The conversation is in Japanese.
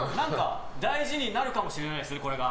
大事になるかもしれないですねこれが。